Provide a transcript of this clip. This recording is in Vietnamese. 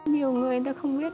nhiều người người ta không biết